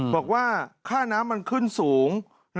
บอกว่าค่าน้ำมันขึ้นสูง